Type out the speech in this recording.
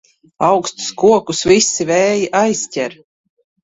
Augstus kokus visi vēji aizķer.